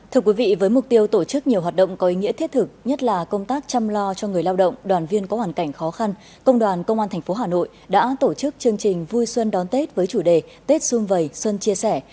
thưa quý vị với mục tiêu tổ chức nhiều hoạt động có ý nghĩa thiết thực nhất là công tác chăm lo cho người lao động đoàn viên có hoàn cảnh khó khăn công đoàn công an tp hà nội đã tổ chức chương trình vui xuân đón tết với chủ đề tết xuân vầy xuân chia sẻ